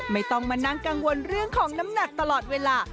ไม่ต้องมานั่งกังวลเรื่องของน้ำหนักตลอดเวลา